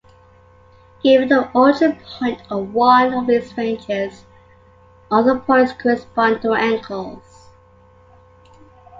Given an origin point on one of these ranges, other points correspond to angles.